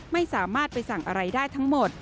ไม่สามารถไปสั่งอะไรได้ทั้งหมด